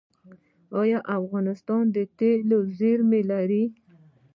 آیا افغانستان د تیلو زیرمې لري؟